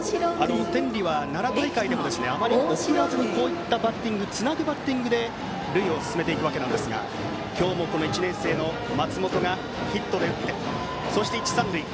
天理は奈良大会でもあまり送らずにつなぐバッティングで塁を進めていくわけなんですが今日も１年生の松本がヒットを打ってそして一、三塁。